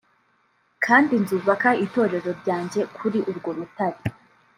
kandi nzubaka Itorero ryanjye kuri urwo rutare